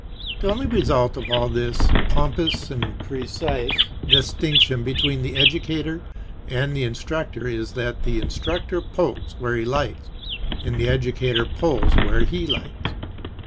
The only result of all this pompous and precise distinction between the educator and the instructor is that the instructor pokes where he likes and the educator pulls where he likes.